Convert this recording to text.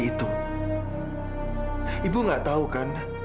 dia menghilang bu